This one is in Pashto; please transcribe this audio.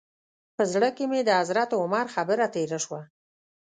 په زړه کې مې د حضرت عمر خبره تېره شوه.